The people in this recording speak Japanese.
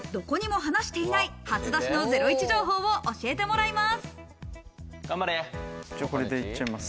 何でもいいので、どこにも話していない初出しのゼロイチ情報を教えてもらいます。